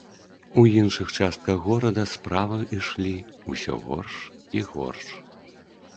У іншых частках горада справы ішлі ўсё горш і горш.